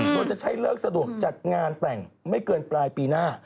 โดยจะใช้เลิกสะดวกจัดงานแต่งไม่เกินปลายปีหน้า